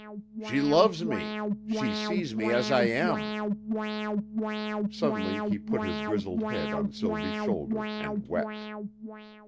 "She loves me. She sees me as I am!" Suddenly he put his grizzled head on Sylvie's shoulder and wept.